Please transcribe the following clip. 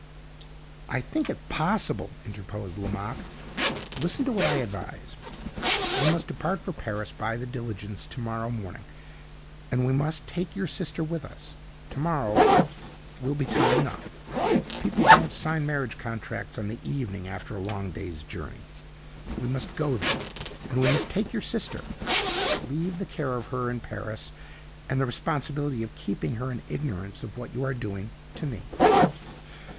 "I think it is possible," interposed Lomaque. "Listen to what I advise. We must depart for Paris by the diligence to morrow morning, and we must take your sister with us to morrow will be time enough; people don't sign marriage contracts on the evening after a long day's journey. We must go then, and we must take your sister. Leave the care of her in Paris, and the responsibility of keeping her in ignorance of what you are doing, to me.